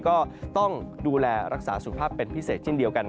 ก็ต้องดูแลรักษาสุขภาพเป็นพิเศษเช่นเดียวกัน